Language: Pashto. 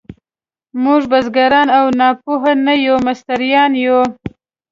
موږ بزګران او ناپوه نه یو، مستریان یو.